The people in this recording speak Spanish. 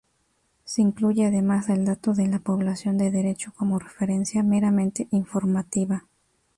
Se incluye además el dato de la población de derecho como referencia meramente informativa.